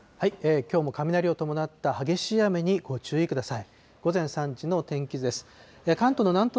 きょうも雷を伴った激しい雨にご注意ください。